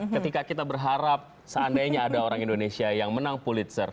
ketika kita berharap seandainya ada orang indonesia yang menang pulitzer